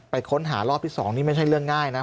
ค้นหารอบที่๒นี่ไม่ใช่เรื่องง่ายนะ